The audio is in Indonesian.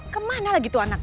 kemana lagi tuh anak